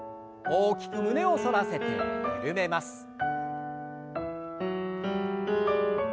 大きく胸を反らせて緩めます。